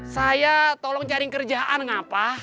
saya tolong cari kerjaan ngapa